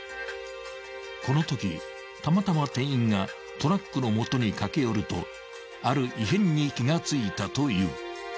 ［このときたまたま店員がトラックの元に駆け寄るとある異変に気が付いたという］